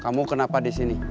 kamu kenapa disini